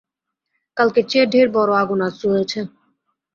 কালকের চেয়ে ঢের বড়ো আগুন আজ জ্বলেছে।